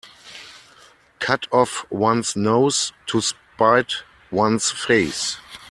Cut off one's nose to spite one's face.